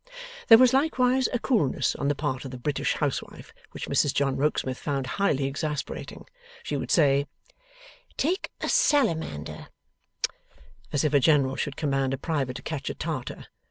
There was likewise a coolness on the part of the British Housewife, which Mrs John Rokesmith found highly exasperating. She would say, 'Take a salamander,' as if a general should command a private to catch a Tartar.